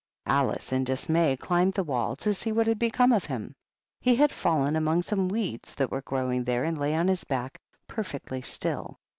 Alice, in dismay, climbed the wall to see what had become of him; he had fallen among some weeds that were growing there and lay on his back perfectly still.